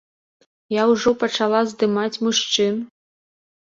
Я ўжо пачала здымаць мужчын.